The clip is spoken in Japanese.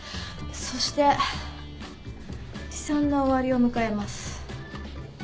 そして悲惨な終わりを迎えます。